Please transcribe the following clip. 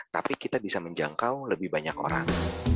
tapi kita bisa menjangkau lebih banyak orang